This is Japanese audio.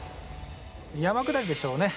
山下りでしょうね。